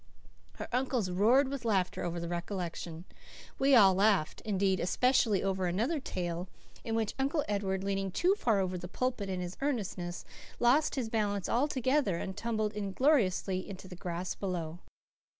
'" Our uncles roared with laughter over the recollection. We all laughed, indeed, especially over another tale in which Uncle Edward, leaning too far over the "pulpit" in his earnestness, lost his balance altogether and tumbled ingloriously into the grass below.